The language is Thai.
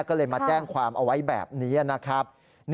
ก็เลยมาแจ้งความเอาไว้แบบนี้นะครับ